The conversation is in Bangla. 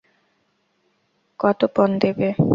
কত পণ দেবে?